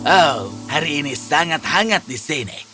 oh hari ini sangat hangat di sini